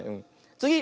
つぎ！